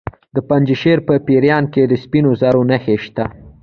د پنجشیر په پریان کې د سپینو زرو نښې شته.